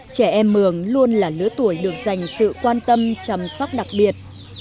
trẻ em mường luôn là lứa tuổi được dành sự quan tâm chăm sóc đặc biệt